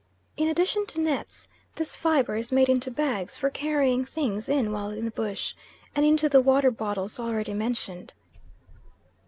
In addition to nets, this fibre is made into bags, for carrying things in while in the bush, and into the water bottles already mentioned.